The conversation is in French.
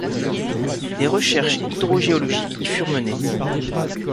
Des recherches hydrogéologiques y furent menées.